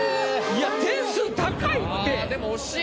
いや点数高いって。